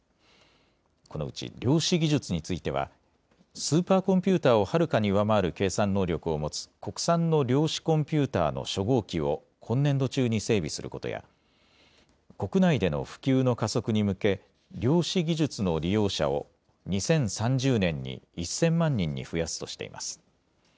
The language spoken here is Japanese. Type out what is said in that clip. このうち量子技術についてはスーパーコンピューターをはるかに上回る計算能力を持つ国産の量子コンピューターの初号機を今年度中に整備することや国内での普及の加速に向け量子技術の利用者を２０３０年に１０００万人に増やすとしています。